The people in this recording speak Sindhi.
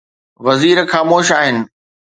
وزير خاموش آهن.